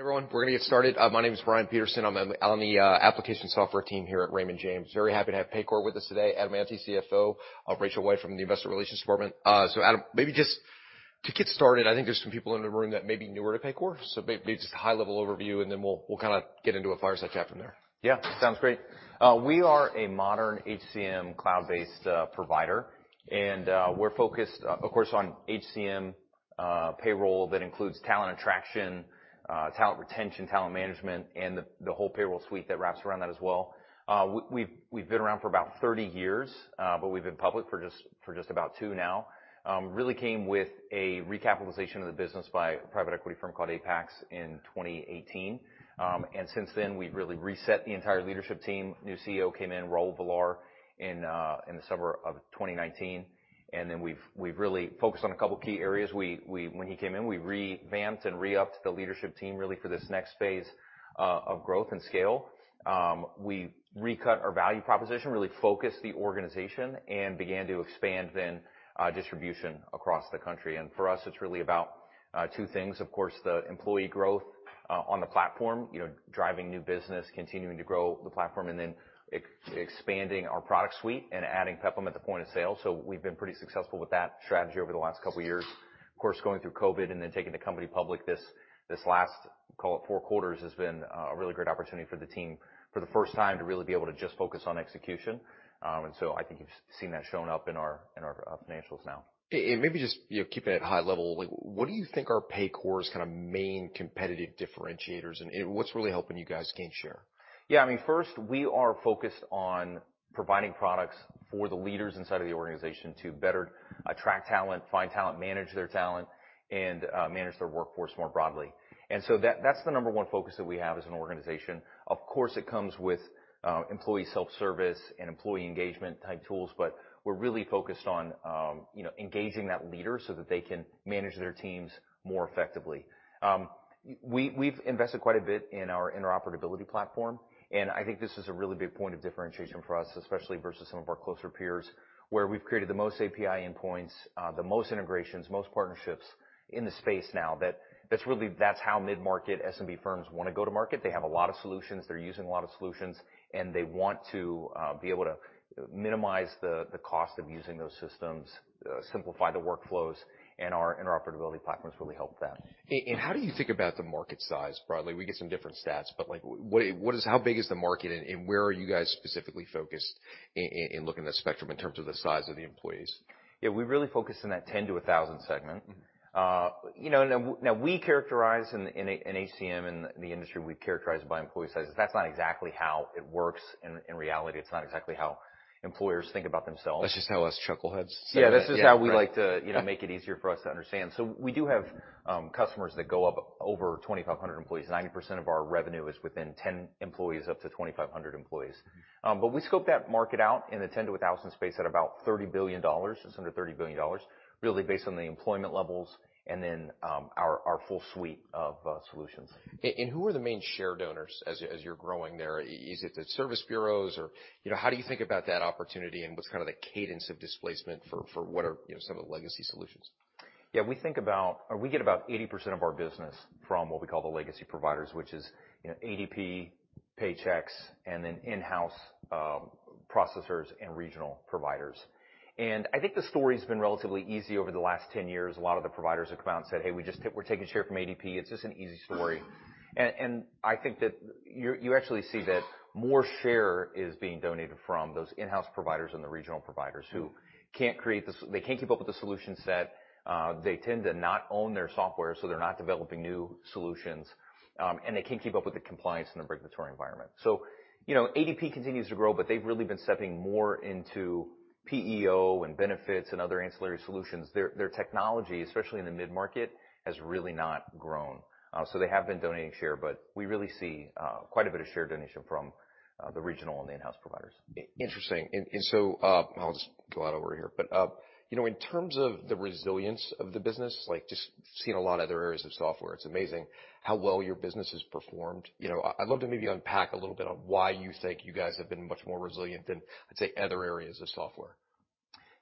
Everyone, we're gonna get started. My name is Brian Peterson. I'm on the application software team here at Raymond James. Very happy to have Paycor with us today. Adam Ante, CFO, Rachel White from the investor relations department. Adam, maybe just to get started, I think there's some people in the room that may be newer to Paycor. maybe just a high-level overview, and then we'll kinda get into a fireside chat from there. Yeah. Sounds great. We are a modern HCM cloud-based provider, and we're focused, of course, on HCM, payroll that includes talent attraction, talent retention, Talent Management, and the whole payroll suite that wraps around that as well. We've been around for about 30 years, but we've been public for just about two now. Really came with a recapitalization of the business by a private equity firm called Apax in 2018. Since then, we've really reset the entire leadership team. New CEO came in, Raul Villar, in the summer of 2019. Then we've really focused on a couple key areas. When he came in, we revamped and re-upped the leadership team really for this next phase of growth and scale. We recut our value proposition, really focused the organization and began to expand then distribution across the country. For us, it's really about two things, of course, the employee growth on the platform, you know, driving new business, continuing to grow the platform, and then expanding our product suite and adding PEPM at the point of sale. We've been pretty successful with that strategy over the last couple of years. Of course, going through COVID and then taking the company public this last, call it four quarters, has been a really great opportunity for the team for the first time to really be able to just focus on execution. I think you've seen that shown up in our, in our financials now. Maybe just, you know, keeping it high level, like what do you think are Paycor's kinda main competitive differentiators? What's really helping you guys gain share? Yeah, I mean, first, we are focused on providing products for the leaders inside of the organization to better attract talent, find talent, manage their talent, and manage their workforce more broadly. That's the number one focus that we have as an organization. Of course, it comes with employee self-service and employee engagement type tools, but we're really focused on, you know, engaging that leader so that they can manage their teams more effectively. We've invested quite a bit in our interoperability platform, and I think this is a really big point of differentiation for us, especially versus some of our closer peers, where we've created the most API endpoints, the most integrations, most partnerships in the space now. That's how mid-market SMB firms wanna go to market. They have a lot of solutions, they're using a lot of solutions, and they want to be able to minimize the cost of using those systems, simplify the workflows, and our interoperability platforms really help that. How do you think about the market size broadly? We get some different stats, but, like, how big is the market and where are you guys specifically focused in looking at the spectrum in terms of the size of the employees? Yeah, we really focus on that 10-1,000 segment. Mm-hmm. You know, now we characterize in HCM in the industry, we characterize by employee sizes. That's not exactly how it works in reality. It's not exactly how employers think about themselves. That's just how us chuckleheads say it. Yeah, that's just how we like to. Yeah.... you know, make it easier for us to understand. We do have customers that go up over 2,500 employees. 90% of our revenue is within 10 employees up to 2,500 employees. We scope that market out in the 10-1,000 space at about $30 billion. It's under $30 billion, really based on the employment levels and then our full suite of solutions. Who are the main share donors as you're growing there? Is it the service bureaus or, you know, how do you think about that opportunity and what's kinda the cadence of displacement for what are, you know, some of the legacy solutions? We get about 80% of our business from what we call the legacy providers, which is, you know, ADP, Paychex, and then in-house processors and regional providers. I think the story's been relatively easy over the last 10 years. A lot of the providers have come out and said, "Hey, we're taking share from ADP." It's just an easy story. I think that you actually see that more share is being donated from those in-house providers and the regional providers who can't keep up with the solution set. They tend to not own their software, so they're not developing new solutions, and they can't keep up with the compliance and the regulatory environment. You know, ADP continues to grow, but they've really been stepping more into PEO and benefits and other ancillary solutions. Their, their technology, especially in the mid-market, has really not grown. They have been donating share, but we really see quite a bit of share donation from the regional and the in-house providers. Interesting. I'll just go out over here, but, you know, in terms of the resilience of the business, like just seeing a lot of other areas of software, it's amazing how well your business has performed. You know, I'd love to maybe unpack a little bit on why you think you guys have been much more resilient than, let's say, other areas of software.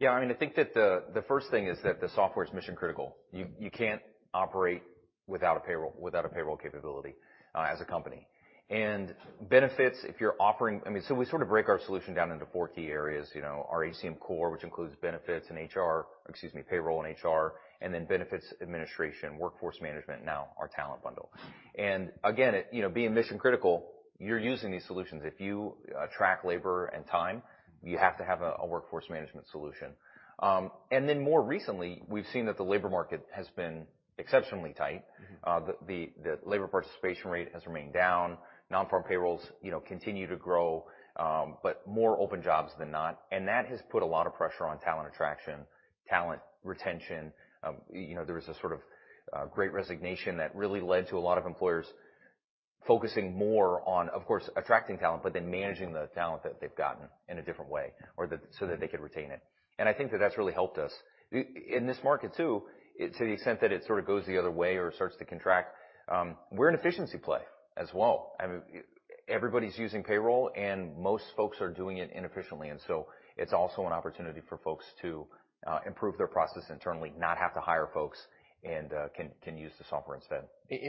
Yeah. I mean, I think that the first thing is that the software is mission-critical. You can't operate without a payroll capability as a company. Benefits, if you're offering... I mean, we sort of break our solution down into four key areas. You know, our Core HR, which includes Benefits and HR, excuse me, Payroll and HR, then Benefits Administration, Workforce Management, now our Talent Management. Again, you know, being mission-critical, you're using these solutions. If you track labor and time, you have to have a Workforce Management solution. More recently, we've seen that the labor market has been exceptionally tight. Mm-hmm. The labor participation rate has remained down. Non-farm payrolls, you know, continue to grow, but more open jobs than not. That has put a lot of pressure on talent attraction, talent retention. You know, there was a sort of, Great Resignation that really led to a lot of employers focusing more on, of course, attracting talent, but then managing the talent that they've gotten in a different way or that so that they could retain it. I think that that's really helped us. In this market too, to the extent that it sort of goes the other way or starts to contract, we're an efficiency play as well. I mean, everybody's using Payroll, and most folks are doing it inefficiently. It's also an opportunity for folks to improve their process internally, not have to hire folks and can use the software instead.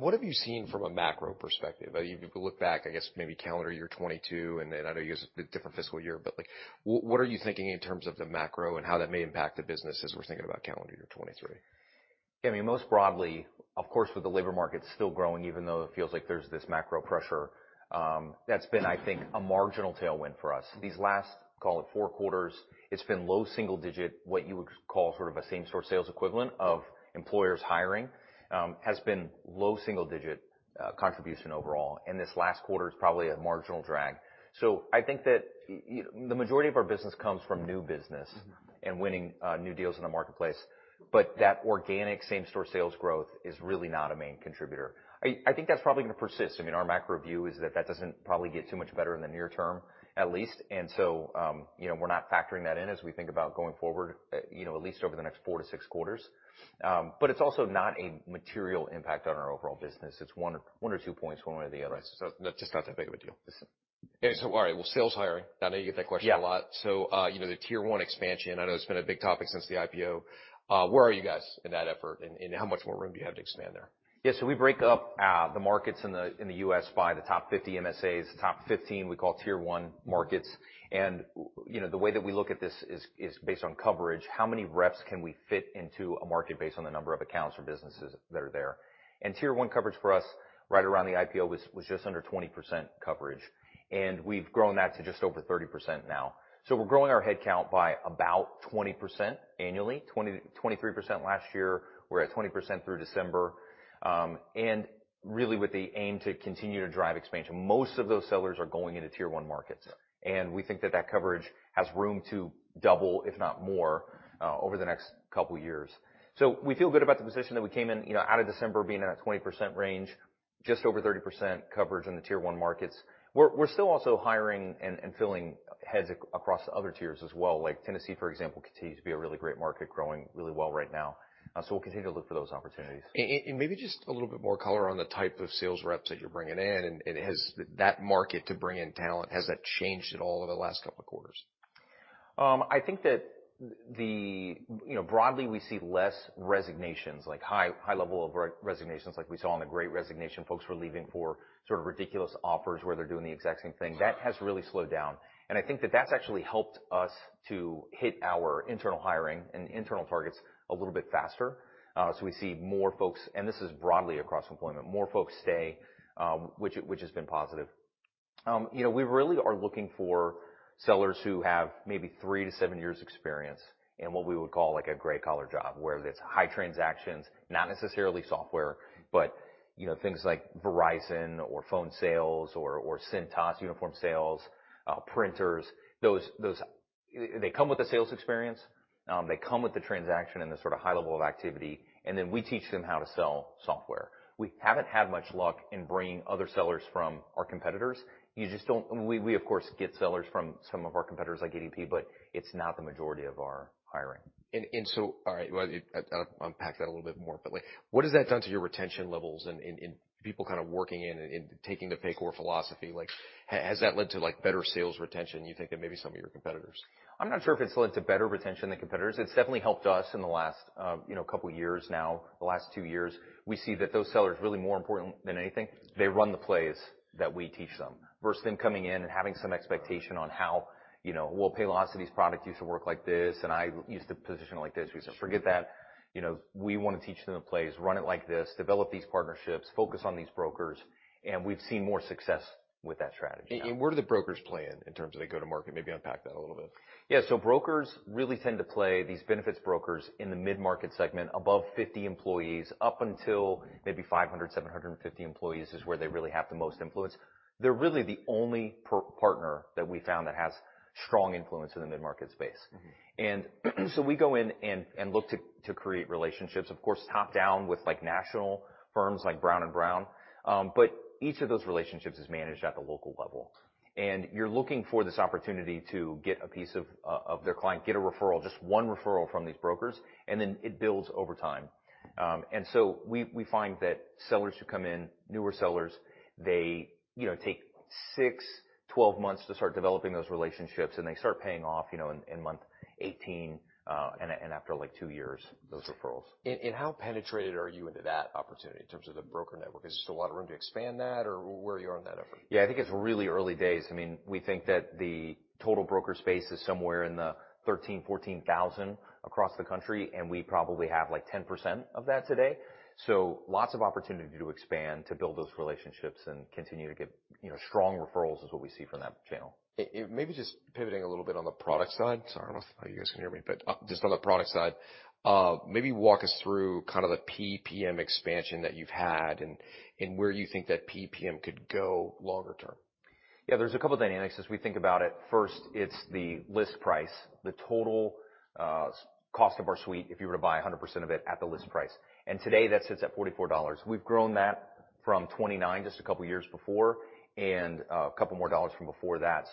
What have you seen from a macro perspective? If you look back, I guess maybe calendar year 2022, and then I know you guys have a bit different fiscal year, but, like, what are you thinking in terms of the macro and how that may impact the business as we're thinking about calendar year 2023? I mean, most broadly, of course, with the labor market still growing, even though it feels like there's this macro pressure, that's been, I think, a marginal tailwind for us. These last, call it four quarters, it's been low single digit, what you would call sort of a same-store sales equivalent of employers hiring, has been low single-digit contribution overall, and this last quarter is probably a marginal drag. I think that the majority of our business comes from new business. Mm-hmm. Winning new deals in the marketplace. That organic same-store sales growth is really not a main contributor. I think that's probably gonna persist. I mean, our macro view is that that doesn't probably get too much better in the near term, at least. You know, we're not factoring that in as we think about going forward, you know, at least over the next four to six quarters. It's also not a material impact on our overall business. It's one or two points one way or the other. It's just not that big of a deal. Okay. All right. Well, sales hiring, I know you get that question a lot. Yeah. You know, the Tier 1 expansion, I know it's been a big topic since the IPO. Where are you guys in that effort, and how much more room do you have to expand there? We break up the markets in the U.S. by the top 50 MSAs, top 15 we call Tier 1 markets. You know, the way that we look at this is based on coverage, how many reps can we fit into a market based on the number of accounts or businesses that are there. Tier 1 coverage for us right around the IPO was just under 20% coverage, and we've grown that to just over 30% now. We're growing our headcount by about 20% annually, 23% last year. We're at 20% through December. Really with the aim to continue to drive expansion. Most of those sellers are going into Tier 1 markets. Yeah. We think that that coverage has room to double, if not more, over the next couple years. We feel good about the position that we came in, you know, out of December being in a 20% range, just over 30% coverage in the Tier 1 markets. We're still also hiring and filling heads across other tiers as well. Like Tennessee, for example, continues to be a really great market growing really well right now. We'll continue to look for those opportunities. Maybe just a little bit more color on the type of sales reps that you're bringing in and has that market to bring in talent, has that changed at all over the last couple of quarters? I think that the. You know, broadly, we see less resignations, like high level of resignations like we saw in the Great Resignation, folks were leaving for sort of ridiculous offers where they're doing the exact same thing. Sure. That has really slowed down. I think that that's actually helped us to hit our internal hiring and internal targets a little bit faster. We see more folks, and this is broadly across employment, more folks stay, which has been positive. You know, we really are looking for sellers who have maybe three to seven years experience in what we would call like a gray collar job, where there's high transactions, not necessarily software, but you know, things like Verizon or phone sales or Cintas uniform sales, printers, those... They come with the sales experience, they come with the transaction and the sort of high level of activity, and then we teach them how to sell software. We haven't had much luck in bringing other sellers from our competitors. You just don't. We of course, get sellers from some of our competitors like ADP, but it's not the majority of our hiring. All right. Well, I'll unpack that a little bit more. Like, what has that done to your retention levels and people kind of working in and taking the Paycor philosophy, like, has that led to like better sales retention, you think than maybe some of your competitors? I'm not sure if it's led to better retention than competitors. It's definitely helped us in the last, you know, two years now, the last two years. We see that those sellers really more important than anything. They run the plays that we teach them versus them coming in and having some expectation on how, you know, well, Paylocity's product used to work like this, and I used to position it like this. We say, forget that. You know, we wanna teach them the plays, run it like this, develop these partnerships, focus on these brokers. We've seen more success with that strategy now. Where do the brokers play in terms of they go to market? Maybe unpack that a little bit. Yeah. Brokers really tend to play these benefits brokers in the mid-market segment above 50 employees, up until maybe 500 employees, 750 employees is where they really have the most influence. They're really the only partner that we found that has strong influence in the mid-market space. Mm-hmm. We go in and look to create relationships, of course, top-down with like national firms like Brown & Brown. Each of those relationships is managed at the local level. You're looking for this opportunity to get a piece of their client, get a referral, just one referral from these brokers, and then it builds over time. We find that sellers who come in, newer sellers, they, you know, take six, 12 months to start developing those relationships, and they start paying off, you know, in month 18, and after like two years, those referrals. How penetrated are you into that opportunity in terms of the broker network? Is there a lot of room to expand that or where are you on that effort? I think it's really early days. I mean, we think that the total broker space is somewhere in the 13,000-14,000 across the country, and we probably have like 10% of that today. Lots of opportunity to expand, to build those relationships and continue to get, you know, strong referrals is what we see from that channel. Maybe just pivoting a little bit on the product side. Sorry, I don't know if you guys can hear me, but, just on the product side, maybe walk us through kind of the PEPM expansion that you've had and where you think that PEPM could go longer term? Yeah. There's a couple of dynamics as we think about it. First, it's the list price, the total cost of our suite if you were to buy 100% of it at the list price. Today, that sits at $44. We've grown that from $29 just a couple of years before and a couple more dollars from before that.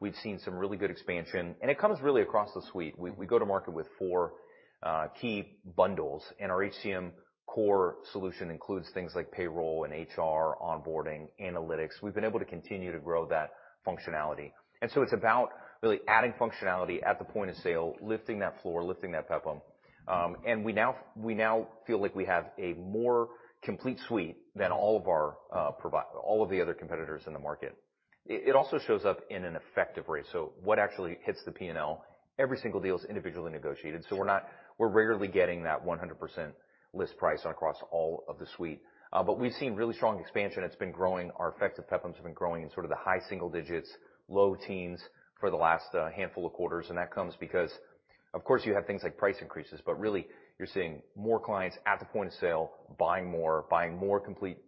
We've seen some really good expansion. It comes really across the suite. We go to market with four key bundles, and our Core HR solution includes things like payroll and HR, onboarding, analytics. We've been able to continue to grow that functionality. It's about really adding functionality at the point of sale, lifting that floor, lifting that PEPPM. We now feel like we have a more complete suite than all of our other competitors in the market. It also shows up in an effective rate, so what actually hits the P&L. Every single deal is individually negotiated, so we're rarely getting that 100% list price across all of the suite. We've seen really strong expansion. It's been growing. Our effective PEPMs have been growing in sort of the high single digits, low teens for the last handful of quarters. That comes because, of course, you have things like price increases, but really you're seeing more clients at the point of sale, buying more, buying more complete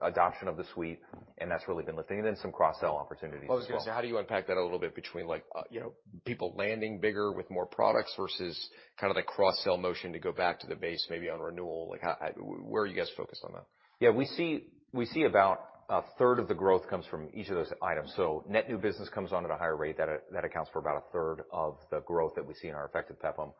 adoption of the suite, and that's really been lifting. Then some cross-sell opportunities as well. I was gonna say, how do you unpack that a little bit between, like, you know, people landing bigger with more products versus kind of the cross-sell motion to go back to the base, maybe on renewal? Like, where are you guys focused on that? Yeah, we see about a third of the growth comes from each of those items. Net new business comes on at a higher rate. That accounts for about a third of the growth that we see in our effective PEPPM.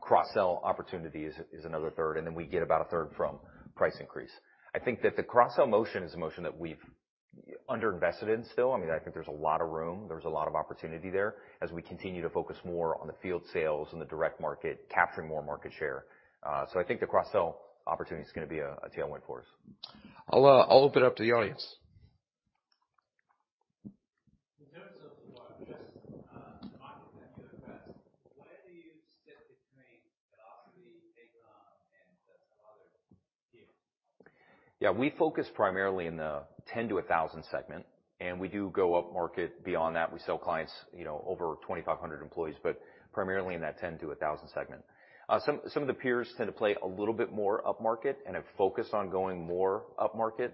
Cross-sell opportunities is another third, we get about a third from price increase. I think that the cross-sell motion is a motion that we've under invested in still. I mean, I think there's a lot of room, there's a lot of opportunity there as we continue to focus more on the field sales and the direct market, capturing more market share. I think the cross-sell opportunity is gonna be a tailwind for us. I'll open it up to the audience. In terms of the progress, the market that you address, where do you sit between, and some other peers? Yeah, we focus primarily in the 10-1,000 segment. We do go up market. Beyond that, we sell clients, you know, over 2,500 employees, but primarily in that 10-1,000 segment. Some of the peers tend to play a little bit more upmarket and have focused on going more upmarket.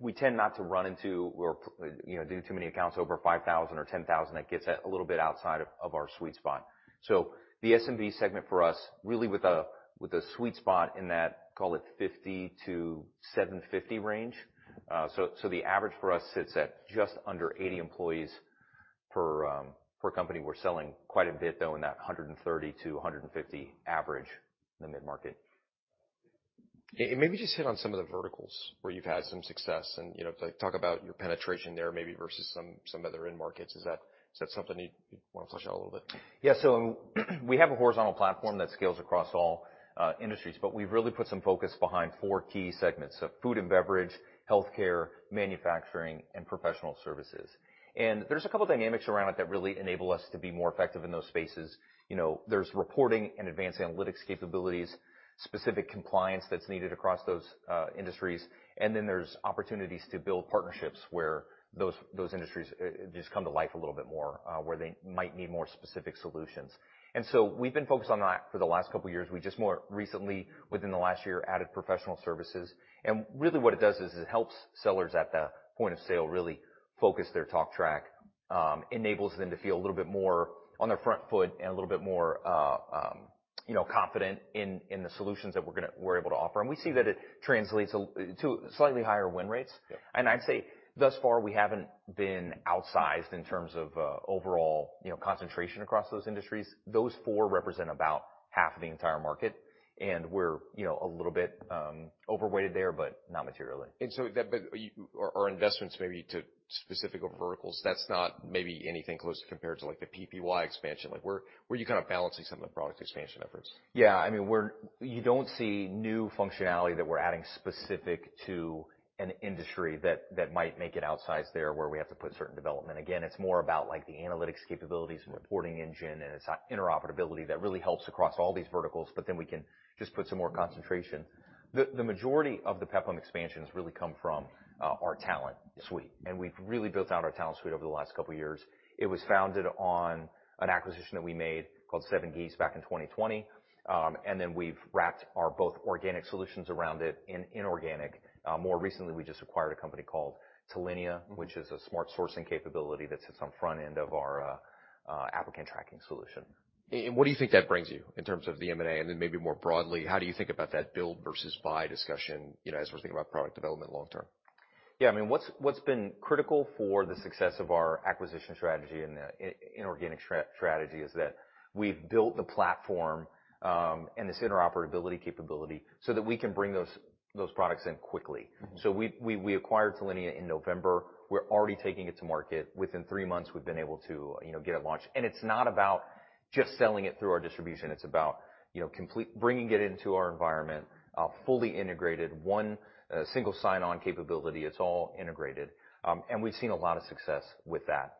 We tend not to run into or, you know, do too many accounts over 5,000 or 10,000. That gets a little bit outside of our sweet spot. The SMB segment for us really with a sweet spot in that, call it 50-750 range. So the average for us sits at just under 80 employees per company. We're selling quite a bit, though, in that 130-150 average in the mid-market. Maybe just hit on some of the verticals where you've had some success and, you know, like talk about your penetration there maybe versus some other end markets. Is that something you wanna flush out a little bit? Yeah. We have a horizontal platform that scales across all industries, but we've really put some focus behind four key segments of food and beverage, healthcare, manufacturing, and professional services. There's a couple of dynamics around it that really enable us to be more effective in those spaces. You know, there's reporting and advanced analytics capabilities, specific compliance that's needed across those industries. There's opportunities to build partnerships where those industries just come to life a little bit more where they might need more specific solutions. We've been focused on that for the last couple of years. We just more recently within the last year added professional services. Really what it does is it helps sellers at the point of sale really focus their talk track, enables them to feel a little bit more on their front foot and a little bit more, you know, confident in the solutions that we're able to offer. We see that it translates to slightly higher win rates. Yeah. I'd say thus far we haven't been outsized in terms of, overall, you know, concentration across those industries. Those four represent about half of the entire market, and we're, you know, a little bit, overweighted there, but not materially. Are investments maybe to specific verticals, that's not maybe anything close to compared to like the PEPM expansion. Where are you kinda balancing some of the product expansion efforts? Yeah, I mean, you don't see new functionality that we're adding specific to an industry that might make it outsized there where we have to put certain development. Again, it's more about like the analytics capabilities, reporting engine, and it's that interoperability that really helps across all these verticals, but then we can just put some more concentration. The majority of the PEPM expansion has really come from our Talent Suite, and we've really built out our Talent Suite over the last couple of years. It was founded on an acquisition that we made called 7Geese back in 2020. We've wrapped our both organic solutions around it in inorganic. More recently, we just acquired a company called Talenya- Mm-hmm. ...which is a smart sourcing capability that sits on front end of our applicant tracking solution. What do you think that brings you in terms of the M&A? Then maybe more broadly, how do you think about that build versus buy discussion, you know, as we're thinking about product development long term? Yeah. I mean, what's been critical for the success of our acquisition strategy and the inorganic strategy is that we've built the platform and this interoperability capability so that we can bring those products in quickly. Mm-hmm. We acquired Talenya in November. We're already taking it to market. Within three months, we've been able to, you know, get it launched. It's not about just selling it through our distribution. It's about, you know, bringing it into our environment, fully integrated, one single sign on capability. It's all integrated. We've seen a lot of success with that.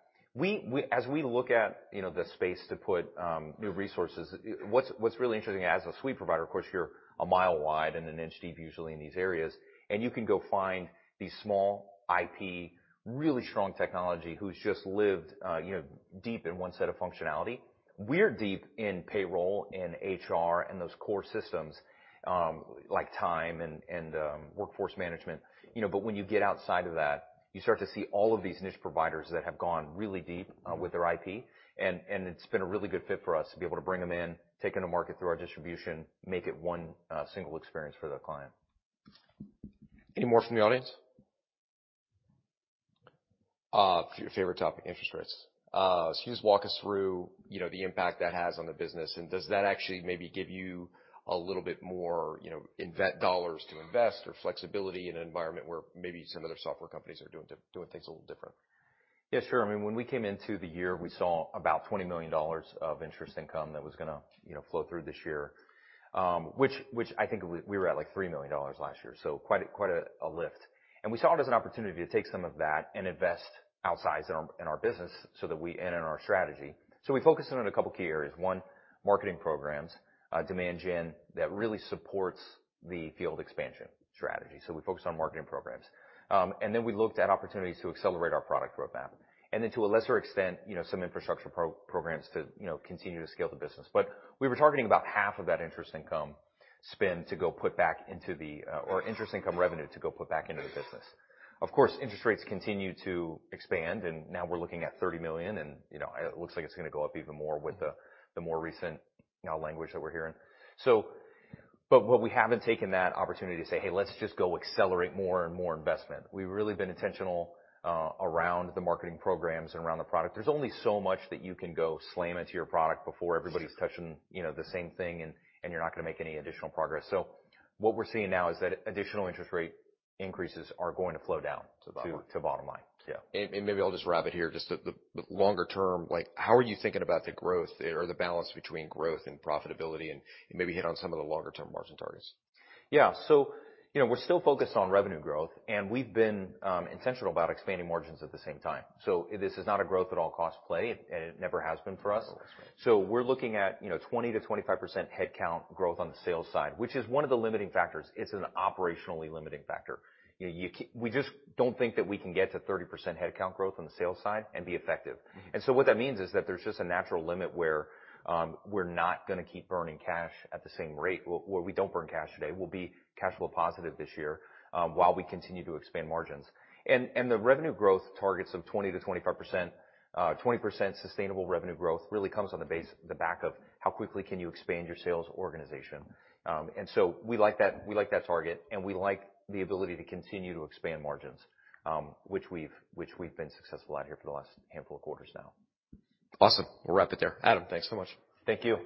As we look at, you know, the space to put new resources, what's really interesting as a suite provider, of course, you're a mile wide and an inch deep usually in these areas, and you can go find these small IP, really strong technology who's just lived, you know, deep in one set of functionality. We're deep in payroll and HR and those core systems, like time and Workforce Management, you know. When you get outside of that, you start to see all of these niche providers that have gone really deep with their IP, and it's been a really good fit for us to be able to bring them in, take them to market through our distribution, make it one single experience for the client. Any more from the audience? Your favorite topic, interest rates. Just walk us through, you know, the impact that has on the business, and does that actually maybe give you a little bit more, you know, invest dollars to invest or flexibility in an environment where maybe some other software companies are doing things a little different? Yeah, sure. I mean, when we came into the year, we saw about $20 million of interest income that was going to, you know, flow through this year, which I think we were at, like, $3 million last year, so quite a lift. We saw it as an opportunity to take some of that and invest outsize in our business so that and in our strategy. We focused in on a couple key areas. One, marketing programs, demand gen that really supports the field expansion strategy. We focused on marketing programs. Then we looked at opportunities to accelerate our product roadmap. To a lesser extent, you know, some infrastructure programs to, you know, continue to scale the business. We were targeting about half of that interest income spend to go put back into the or interest income revenue to go put back into the business. Of course, interest rates continue to expand, and now we're looking at $30 million, and, you know, it looks like it's gonna go up even more with the more recent, you know, language that we're hearing. What we haven't taken that opportunity to say, "Hey, let's just go accelerate more and more investment." We've really been intentional around the marketing programs and around the product. There's only so much that you can go slam into your product before everybody's touching, you know, the same thing and you're not gonna make any additional progress. What we're seeing now is that additional interest rate increases are going to flow down. To the bottom line? To bottom line. Yeah. Maybe I'll just wrap it here. Just the longer term, like, how are you thinking about the growth or the balance between growth and profitability? Maybe hit on some of the longer-term margin targets. Yeah. You know, we're still focused on revenue growth, and we've been intentional about expanding margins at the same time. This is not a growth at all cost play, and it never has been for us. Okay. We're looking at, you know, 20%-25% headcount growth on the sales side, which is one of the limiting factors. It's an operationally limiting factor. You know, we just don't think that we can get to 30% headcount growth on the sales side and be effective. Mm-hmm. What that means is that there's just a natural limit where we're not gonna keep burning cash at the same rate. Where we don't burn cash today. We'll be cash flow positive this year while we continue to expand margins. The revenue growth targets of 20%-25%, 20% sustainable revenue growth really comes on the back of how quickly can you expand your sales organization. We like that, we like that target, and we like the ability to continue to expand margins, which we've been successful at here for the last handful of quarters now. Awesome. We'll wrap it there. Adam, thanks so much. Thank you.